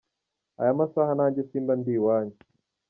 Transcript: aya masaha nanjye simba ndi iwanyu.